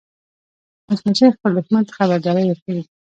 مچمچۍ خپل دښمن ته خبرداری ورکوي